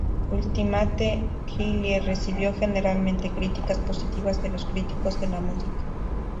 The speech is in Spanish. Ultimate Kylie recibió generalmente críticas positivas de los críticos de la música.